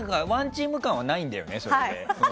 １チーム感はないんだよね。